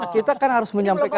kita kan harus menyampaikan